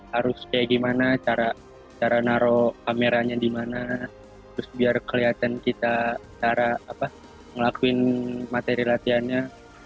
harus kayak gimana cara naruh kameranya di mana terus biar kelihatan kita cara ngelakuin materi latihannya